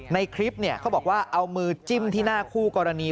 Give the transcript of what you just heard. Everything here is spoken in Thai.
ในคลิปเขาบอกว่าเอามือจิ้มที่หน้าคู่กรณี